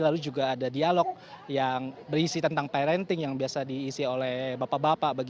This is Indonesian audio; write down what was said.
lalu juga ada dialog yang berisi tentang parenting yang biasa diisi oleh bapak bapak